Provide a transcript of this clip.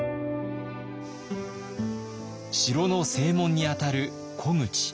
城の正門にあたる虎口。